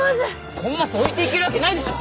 コンマス置いていけるわけないでしょう